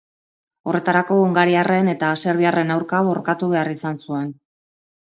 Horretarako hungariarren eta serbiarren aurka borrokatu behar izan zuen.